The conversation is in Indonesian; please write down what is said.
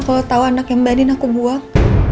kalau tau anak yang mbak andin aku buang